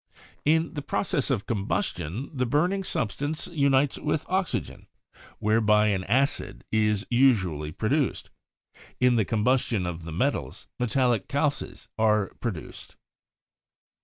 2. In the process of combustion the burning substance unites with oxygen, whereby an acid is usually produced. In the combustion of the metals, metallic calces are pro duced.